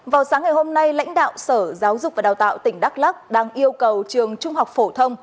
vào sáng ngày hôm nay lãnh đạo sở giáo dục và đào tạo tỉnh đắk lắc đang yêu cầu trường trung học phổ thông